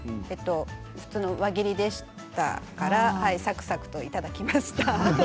普通の輪切りでしたからサクサクといただきました。